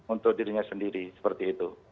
untuk dirinya sendiri seperti itu